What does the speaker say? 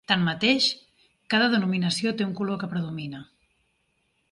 Tanmateix, cada denominació té un color que predomina.